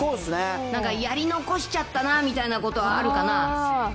なんか、やり残しちゃったなみたいなことあるかな？